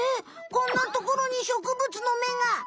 こんなところに植物のめが！